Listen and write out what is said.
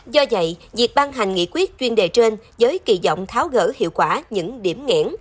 do vậy việc ban hành nghị quyết chuyên đề trên với kỳ vọng tháo gỡ hiệu quả những điểm nghẽn